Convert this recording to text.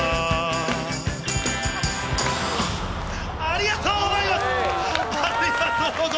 ありがとうございます！